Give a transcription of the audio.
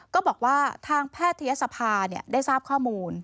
ก็บอกว่าทางแพทยศภาได้ทราบข้อมูล